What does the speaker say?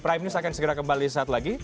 prime news akan segera kembali saat lagi